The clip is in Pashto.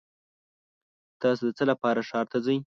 تاسو د څه لپاره ښار ته ځئ؟